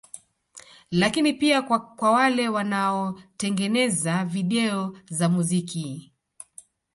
Lakini pia kwa wale wanaotengeneza Video za muziki